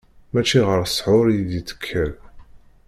Mačči ɣer ssḥur i d-yettekkar.